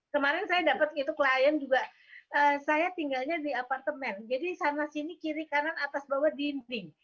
kemarin saya dapat itu klien juga saya tinggalnya di apartemen jadi sana sini kiri kanan atas bawah dinding